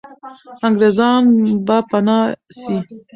انګریزان به پنا سي.